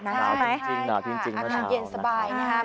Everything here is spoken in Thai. เช้าจริงเมื่อเช้าห้ามเย็นสะบายนะครับ